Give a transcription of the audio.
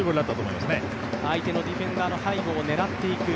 相手のディフェンダーの背後を狙っていく。